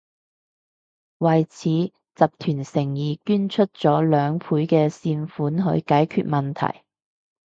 為此，集團誠意捐出咗兩倍嘅善款去解決問題